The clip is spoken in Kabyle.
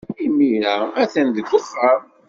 Imir-a, a-t-an deg uxxam.